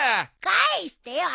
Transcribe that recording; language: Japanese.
返してよ！